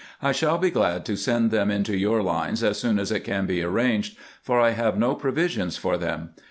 I shall be glad to send them into your lines as soon as it can be arranged, for I have no provisions for them.